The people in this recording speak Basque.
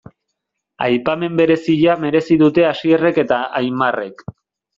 Aipamen berezia merezi dute Asierrek eta Aimarrek.